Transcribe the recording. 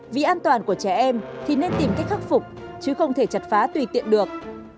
vì an toàn của trẻ em thì nên tìm cách khắc phục chứ không thể chặt phá tùy tiện được